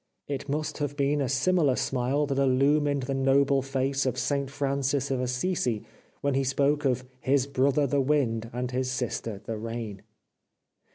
It must have been a similar smile that illumined the noble face of St Francis of Assisi when he spoke of " his brother the wind and his sister the rain."